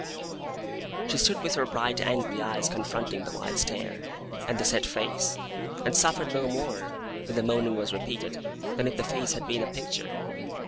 She stood with her bright angry eyes confronting the wide stare, and the set face; and softened no more, when the moaning was repeated, than if the face had been a picture.